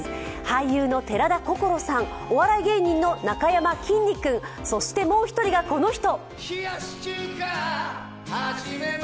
俳優の寺田心さん、お笑い芸人のなかやまきんに君、そしてもう一人が、この人！